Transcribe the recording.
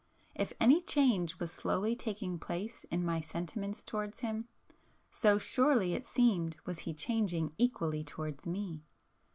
If any change was slowly taking place in my sentiments towards him, so surely it seemed was he changing equally towards me.